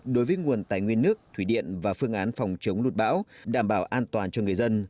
đối với nguồn tài nguyên nước thủy điện và phương án phòng chống lụt bão đảm bảo an toàn cho người dân